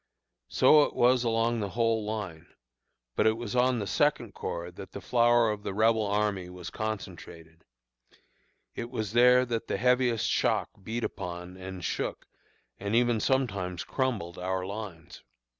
"So it was along the whole line; but it was on the Second Corps that the flower of the Rebel army was concentrated; it was there that the heaviest shock beat upon, and shook, and even sometimes crumbled, our lines.